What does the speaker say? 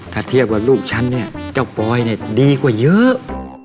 ถ้าเทียบกับลูกฉันเนี่ยเจ้าปอยเนี่ยดีกว่าเยอะ